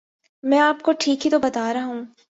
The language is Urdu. میں آپ کو ٹھیک ہی تو بتارہا ہوں